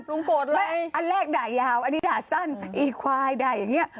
ลุงพูดสั้นอันแรกด่ายาวอันนี้ด่าสั้นอีหวายด่ายอย่างนี้